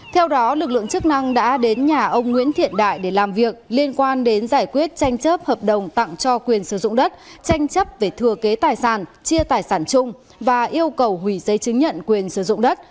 theo đó lực lượng chức năng đã đến nhà ông nguyễn thiện đại để làm việc liên quan đến giải quyết tranh chấp hợp đồng tặng cho quyền sử dụng đất tranh chấp về thừa kế tài sản chia tài sản chung và yêu cầu hủy giấy chứng nhận quyền sử dụng đất